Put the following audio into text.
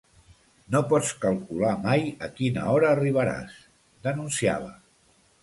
No pots calcular mai a quina hora arribaràs, denunciava.